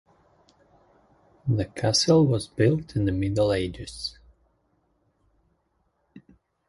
The castle was built in the Middle Ages.